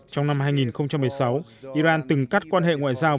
trong năm hai nghìn một mươi sáu iran từng cắt quan hệ ngoại giao